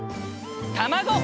たまご！